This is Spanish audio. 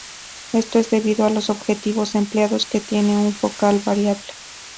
Esto es debido a los objetivos empleados, que tienen una focal variable.